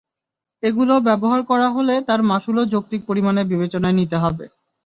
এগুলো ব্যবহার করা হলে তার মাশুলও যৌক্তিক পরিমাণে বিবেচনায় নিতে হবে।